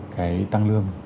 cái tăng lương